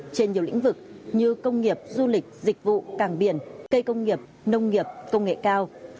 trên nhiều lĩnh vực như công nghiệp du lịch dịch vụ càng biển cây công nghiệp nông nghiệp công nghệ cao